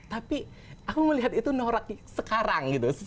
tapi aku melihat itu norak sekarang gitu